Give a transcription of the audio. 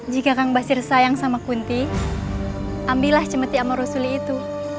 jika kang basir sayang sama kunti ambillah cemeti ama rasuli itu